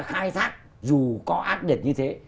khai thác dù có ác địch như thế